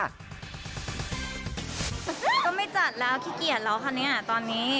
ก็ไม่จัดแล้วขี้เกียจแล้วคะเนี่ยตอนนี้